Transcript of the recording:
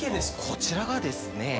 こちらがですね。